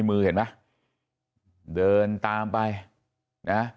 นี่คุณตูนอายุ๓๗ปีนะครับ